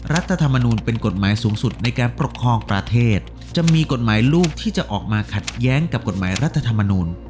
รัฐธรรมนูลเป็นกฎหมายสูงสุดในการปกครองประเทศจะมีกฎหมายลูกที่จะออกมาขัดแย้งกับกฎหมายรัฐธรรมนูล